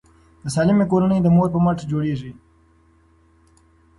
د سالمې کورنۍ د مور په مټه جوړیږي.